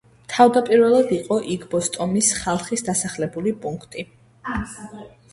თავდაპირველად იყო იგბოს ტომის ხალხის დასახლებული პუნქტი.